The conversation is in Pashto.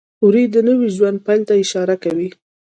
وری د نوي ژوند پیل ته اشاره کوي.